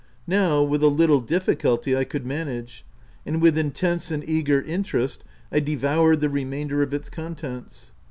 Now, with a little difficulty, I could manage ; and with intense and eager inter est, I devoured the remainder of its contents.